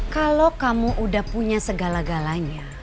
kalau kamu udah punya segala galanya